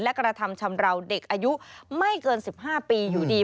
และกระทำชำราวเด็กอายุไม่เกิน๑๕ปีอยู่ดี